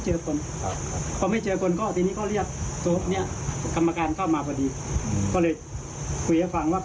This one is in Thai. แล้วโดยปกติเนี่ยเคยมีรถมา